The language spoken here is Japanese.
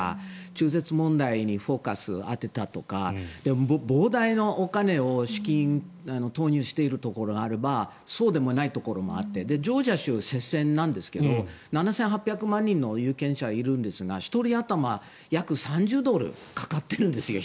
中絶問題にフォーカスを当てたとか膨大なお金、資金を投入しているところがあればそうでもないところもあってジョージア州、接戦なんですけど７８００万人の有権者がいるんですが１人当たり約３０ドルかかっているんですよ